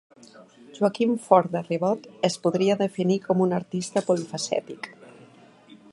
Joaquim Fort de Ribot es podria definir com un artista polifacètic.